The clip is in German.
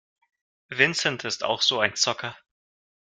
Vincent ist auch so ein Zocker.